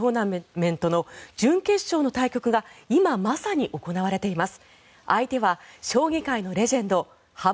トーナメントの準決勝の対局が今まさに行われています。